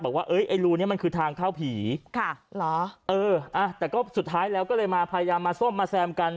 บอกว่าไอ้รูนี้มันคือทางเข้าผีแต่ก็สุดท้ายแล้วก็เลยมาพยายามมาซ่อมมาแซมกัน